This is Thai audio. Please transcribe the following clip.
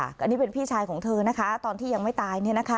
อันนี้เป็นพี่ชายของเธอนะคะตอนที่ยังไม่ตาย